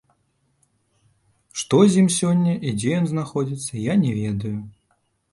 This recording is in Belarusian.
Што з ім сёння і дзе ён знаходзіцца, я не ведаю.